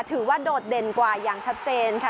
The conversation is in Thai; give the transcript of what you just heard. โดดเด่นกว่าอย่างชัดเจนค่ะ